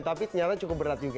tapi ternyata cukup berat juga